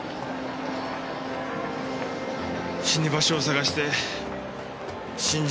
死に場所を探して新宿